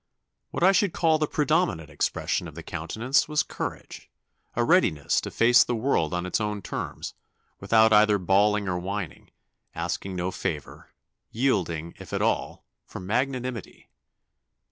What I should call the predominant expression of the countenance was courage a readiness to face the world on its own terms, without either bawling or whining, asking no favour, yielding, if at all, from magnanimity.